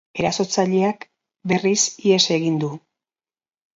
Erasotzaileak, berriz, ihes egin du.